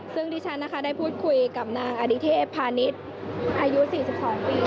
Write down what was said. ซึ่งดิฉันนะคะได้พูดคุยกับนางอดิเทพพาณิชย์อายุ๔๒ปี